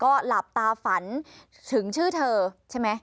ก็หลับตาฝันถึงชื่อเธอใช่ไหม